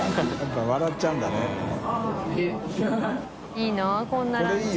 いいなこんなランチ。